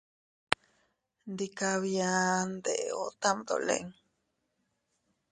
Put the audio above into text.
Ndika bia, ndeeo tam dolin.